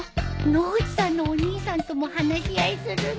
野口さんのお兄さんとも話し合いするの？